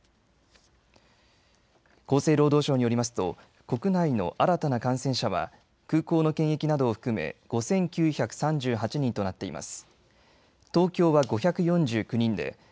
厚生労働省によりますと国内の新たな感染者は空港の検疫などを含め５９３８人となっています。